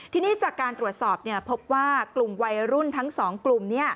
ทีนี้จากการตรวจสอบพบว่ากลุ่มวัยรุ่นทั้ง๒กลุ่ม